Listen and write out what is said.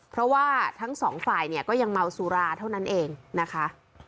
เพราะว่าทั้งสองฝ่ายเนี่ยก็ยังเมาสุราเท่านั้นเองนะคะ